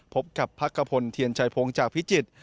พบกับพักกระพลเทียนชัยพงศ์จากพิจิตร